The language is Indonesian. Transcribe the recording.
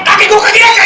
lagi gue kejirah